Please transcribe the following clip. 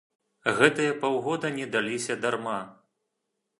Гэтыя паўгода не даліся дарма.